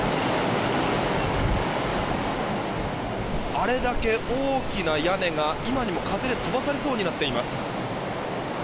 あれだけ大きな屋根が今にも風で飛ばされそうになっています。